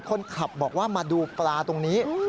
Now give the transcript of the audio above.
คนขับบอกว่ามาดูปลาตรงนี้